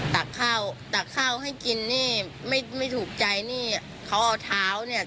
ตักข้าวตักข้าวให้กินนี่ไม่ไม่ถูกใจนี่เขาเอาเท้าเนี่ย